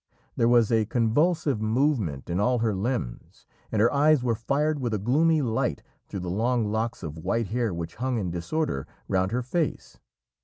There was a convulsive movement in all her limbs and her eyes were fired with a gloomy light through the long locks of white hair which hung in disorder round her face.